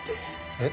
えっ？